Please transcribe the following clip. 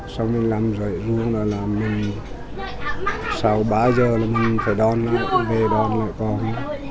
xong mình làm dậy sau ba giờ là mình phải đón về đón người con